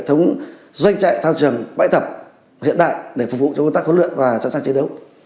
thống doanh trại thao trường bãi tập hiện đại để phục vụ công tác huấn luyện và sẵn sàng chiến đấu